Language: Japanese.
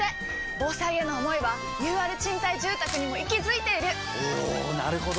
防災への想いはＵＲ賃貸住宅にも息づいているおなるほど！